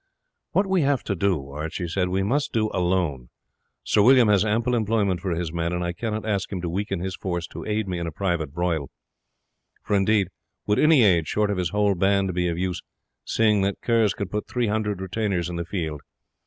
"What we have to do," Archie said, "we must do alone. Sir William has ample employment for his men, and I cannot ask him to weaken his force to aid me in a private broil; nor, indeed, would any aid short of his whole band be of use, seeing that the Kerrs can put three hundred retainers in the field.